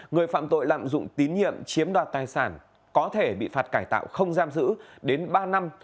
người phạm tội lạm dụng tín nhiệm chiếm đoạt tài sản có thể bị phạt cải tạo không giam giữ đến ba năm